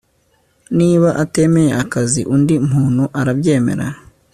Niba atemeye akazi undi muntu arabyemera